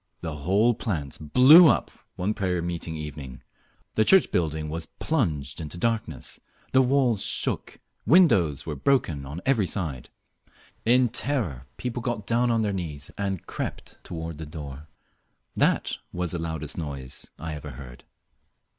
The whole plant blew up one prayer meeting evening. The church building was plunged into darkness, the walls shook, windows were broken on every side. In terror people got down on their knees and crept toward the door. That was the loudest noise I ever heard.